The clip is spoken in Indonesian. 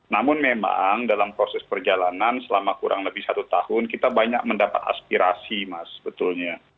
namun memang dalam proses perjalanan selama kurang lebih satu tahun kita banyak mendapat aspirasi mas betulnya